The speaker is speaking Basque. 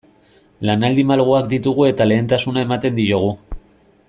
Lanaldi malguak ditugu eta lehentasuna ematen diogu.